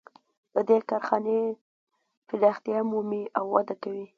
د دې کارخانې پراختیا مومي او وده کوي